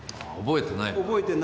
覚えてないな。